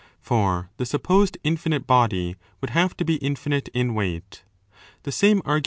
For the supposed infinite as body would have to be infinite in weight. (The same argu